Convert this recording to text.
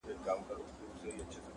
په نصیب یې ورغلی شین جنت وو -